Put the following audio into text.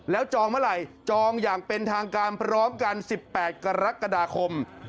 แล้วจองเมื่อไหร่จองอย่างเป็นทางการพร้อมกัน๑๘กรกฎาคม